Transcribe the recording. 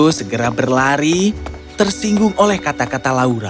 segera berlari tersinggung oleh kata kata laura